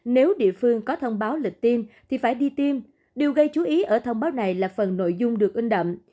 nếu địa phương có thông báo lịch tiêm thì phải đi tiêm điều gây chú ý ở thông báo này là phần nội dung được in đậm